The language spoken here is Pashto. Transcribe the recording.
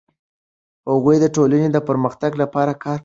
هغوی د ټولنې د پرمختګ لپاره کار کوي.